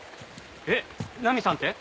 えっナミさんって？